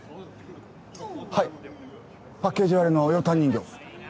はいパッケージ割れの「よーたん人形」。